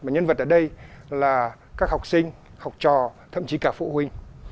nhân vật ở đây là các học sinh học trò thậm chí cả phụ huynh